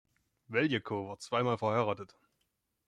Veljko war zweimal verheiratet.